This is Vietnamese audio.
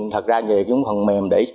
thật ra những phần mềm để